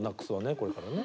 これからね。